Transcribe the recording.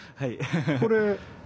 これ。